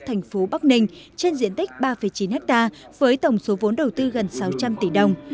thành phố bắc ninh trên diện tích ba chín ha với tổng số vốn đầu tư gần sáu trăm linh tỷ đồng